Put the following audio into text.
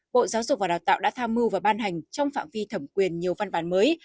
bộ giáo dục và đào tạo đã tham mưu và ban hành trong phạm vi thẩm quyền nhiều văn bản mới